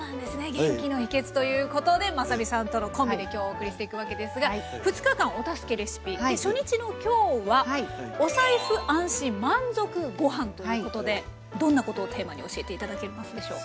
元気の秘けつということでまさみさんとのコンビで今日お送りしていくわけですが２日間「お助けレシピ」初日の今日はということでどんなことをテーマに教えて頂けますでしょうか。